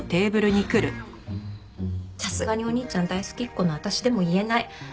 さすがにお兄ちゃん大好きっ子の私でも言えない。